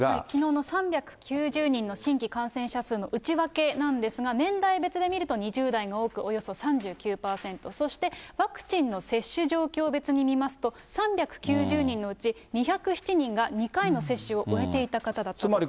きのうの３９０人の新規感染者数の内訳なんですが、年代別で見ると２０代が多くおよそ３９％、そしてワクチンの接種状況別に見ますと、３９０人のうち２０７人が２回の接種を終えていた方だったと。